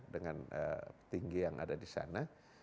dengan petinggi yang ada di sana